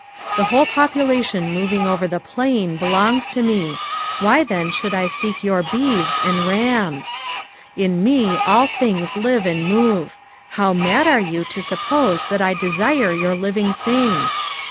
The whota population moving over the plain belongs to me ; why then should I seek your beeves and ramsl In me all things Uve and move ; how mad are you to suppose that I desire your living things